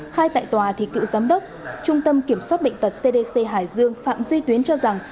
khai tại tòa thì cựu giám đốc trung tâm kiểm soát bệnh tật cdc hải dương phạm duy tuyến cho rằng